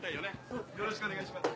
よろしくお願いします。